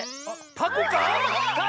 タコか⁉